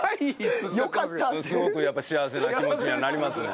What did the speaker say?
すごくやっぱ幸せな気持ちにはなりますね。